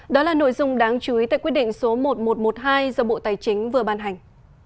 đó là nội dung đáng chú ý tại quyết định số một nghìn một trăm một mươi hai do bộ tài chính vừa ban hành